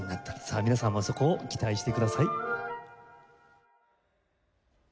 さあ皆さんもそこを期待してください。